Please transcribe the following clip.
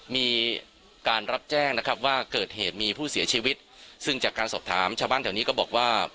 มีการรับแจ้งนะครับว่าเกิดเหตุมีผู้เสียชีวิตซึ่งจากการสอบถามชาวบ้านแถวนี้ก็บอกว่า